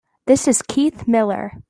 This is Keith Miller.